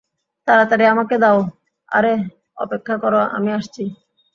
তাড়াতাড়ি আমাকেও দাও, আরে, অপেক্ষা কর আমি আসছি।